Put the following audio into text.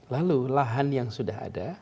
lalu lahan yang sudah ada